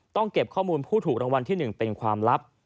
เก็บข้อมูลผู้ถูกรางวัลที่๑เป็นความลับ